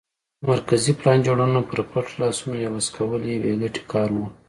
مرکزي پلان جوړونه پر پټ لاسونو عوض کول بې ګټه کار و